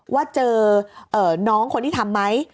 ว่าเจอน้องคนที่ทำไหม